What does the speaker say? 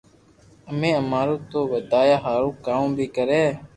امي امارو نو ودايا ھارو ڪاو بي ڪري